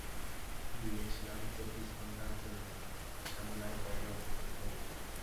গিয়েছিলাম চব্বিশ ঘণ্টার জন্যে, ঝামেলায় পড়ে এত দেরি হলো।